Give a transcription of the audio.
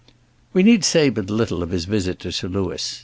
We need say but little of his visit to Sir Louis.